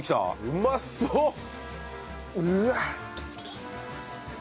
うわっ。